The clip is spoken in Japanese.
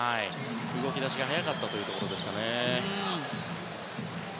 動き出しが早かったというところか。